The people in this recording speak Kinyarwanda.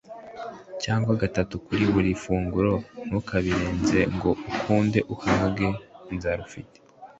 cyangwa atatu kuri buri funguro ntukabirenze ngo ukunde uhaze inzara ufite